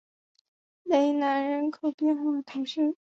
雷南人口变化图示